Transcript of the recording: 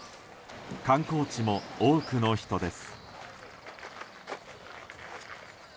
観光地も多くの人です。